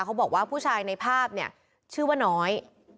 เขาบอกว่าผู้ชายในภาพเนี่ยชื่อว่าน้อย